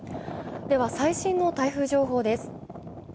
最新の台風情報です。